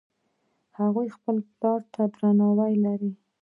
هغوی خپل پلار ته درناوی لري